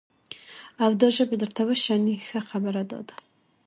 او دا ژبې درته وشني، ښه خبره دا ده،